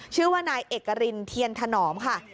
ชื่อว่านายเอกรินเทียนถนอมค่ะ